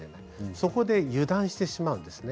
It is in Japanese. そこで油断してしまうんですね。